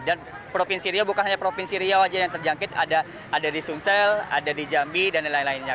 dan provinsi riau bukan hanya provinsi riau saja yang terjangkit ada di sungsel ada di jambi dan lain lainnya